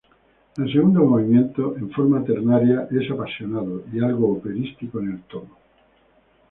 El segundo movimiento, en forma ternaria, es apasionado y algo operístico en el tono.